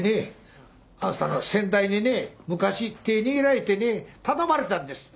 あんさんの先代にね昔手握られてね頼まれたんです。